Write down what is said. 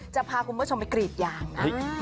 จะพาคุณผู้ชมไปกรีดยางนะ